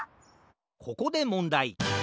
ここでもんだい！